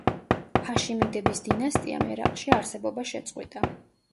ჰაშიმიდების დინასტიამ ერაყში არსებობა შეწყვიტა.